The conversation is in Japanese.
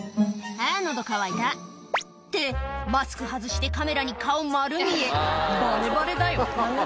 「あ喉渇いた」ってマスク外してカメラに顔丸見えバレバレだよ